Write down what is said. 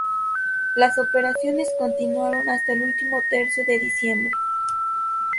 Las operaciones continuaron hasta el último tercio de diciembre.